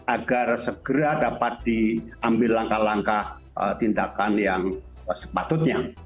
agar segera dapat diambil langkah langkah tindakan yang sepatutnya